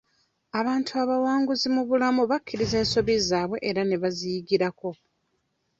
Abantu abawanguzi mu bulamu bakkiriza ensobi zaabwe era ne baziyigirako.